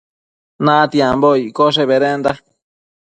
Natiambo iccoshe bedenda